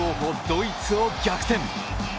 ドイツを逆転。